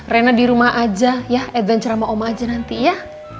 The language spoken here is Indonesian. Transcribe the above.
reina dirumah aja ya adventure sama oma aja nanti ya